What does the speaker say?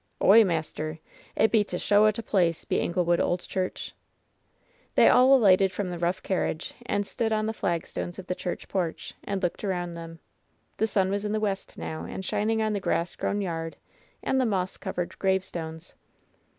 "Oy, maister f It be t' show o' f place, be Anglewood Old Church/^ They all alighted from the rough carriage and stood on the flagstones of the church porch, and looked around them. The sun was in the west now, and shining on the grass grown yard and the moss covered gravestones.